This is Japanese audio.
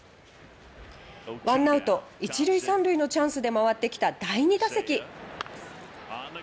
１アウト１塁３塁のチャンスで回ってきた第２打席。